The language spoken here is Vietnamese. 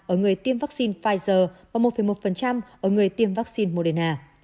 ở người tiêm vaccine pfizer và một một ở người tiêm vaccine moderna